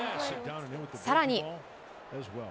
さらに。